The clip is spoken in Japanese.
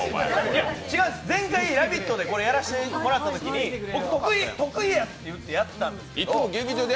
前回「ラヴィット！」でやらせてもらったときに僕、得意やって言ってやったんですけど。